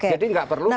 jadi gak perlu kemudian